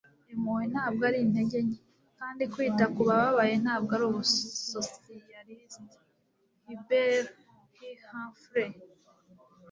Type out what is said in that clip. impuhwe ntabwo ari intege nke, kandi kwita ku bababaye ntabwo ari ubusosiyalisiti. - hubert h. humphrey